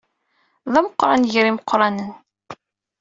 D ameqqran gar yimeqqranen.